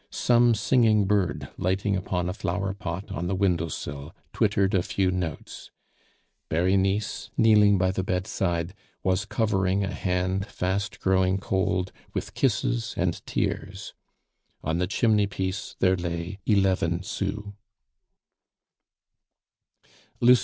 Some singing bird lighting upon a flower pot on the window sill, twittered a few notes. Berenice, kneeling by the bedside, was covering a hand fast growing cold with kisses and tears. On the chimney piece there lay eleven sous.